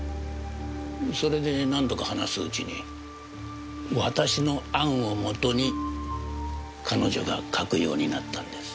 それで何度か話すうちに私の案を元に彼女が書くようになったんです。